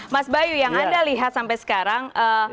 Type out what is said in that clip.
mas bayu yang anda lihat sampai sekarang